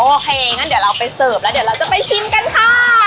โอเคงั้นเดี๋ยวเราไปเสิร์ฟแล้วเดี๋ยวเราจะไปชิมกันค่ะ